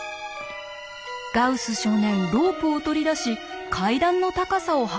ガウス少年ロープを取り出し階段の高さを測ってみます。